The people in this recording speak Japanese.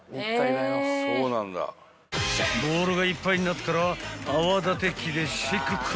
［ボウルがいっぱいになったら泡立て器でシェイクック］